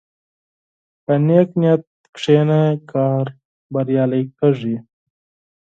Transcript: په نیک نیت کښېنه، کار بریالی کېږي.